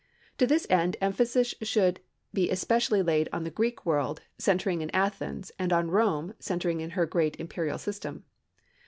To this end emphasis should be especially laid on the Greek world, centering in Athens, and on Rome, centering in her great imperial system.